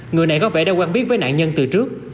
người này có vẻ đã quen biết với nạn nhân từ trước